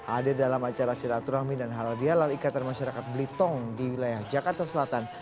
ada dalam acara silaturahmi dan halal dia lalikatan masyarakat blitung di wilayah jakarta selatan